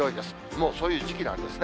もうそういう時期なんですね。